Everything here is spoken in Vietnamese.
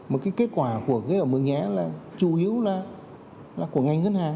một kết quả của nguồn nhé là chủ yếu là của ngành ngân hàng